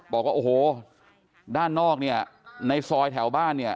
บอกว่าโอ้โหด้านนอกในซอยแถวบ้าน